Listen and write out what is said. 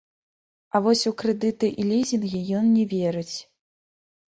А вось у крэдыты і лізінгі ён не верыць.